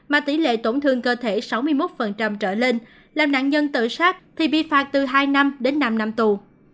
mà tỷ lệ tổn thương cơ thể sáu mươi một trở lên làm nạn nhân tự sát thì bị phạt từ hai năm đến năm năm tù